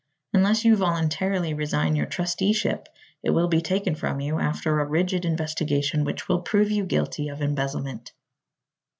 Unless you voluntarily resign your trusteeship it will be taken from you, after a rigid investigation which will prove you guilty of embezzlement."